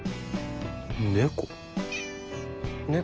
猫？